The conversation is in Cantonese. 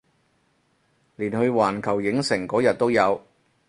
連去環球影城嗰日都有